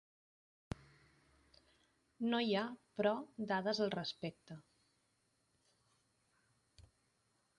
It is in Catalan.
No hi ha, però, dades al respecte.